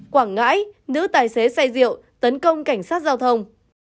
quảng ngãi nữ tài xế say rượu tấn công cảnh sát giao thông